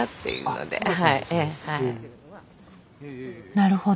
なるほど。